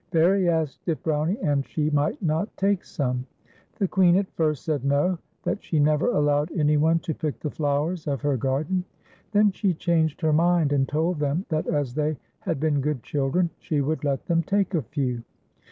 Fairie asked if Brownie and she might not take some. The Queen at first said no, that she never allowed any one to pick the flowers of her gar den ; then she changed her mind, and told them that as they had been good children she would let them take a few.